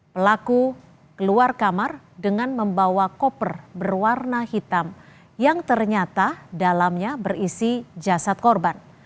pelaku keluar kamar dengan membawa koper berwarna hitam yang ternyata dalamnya berisi jasad korban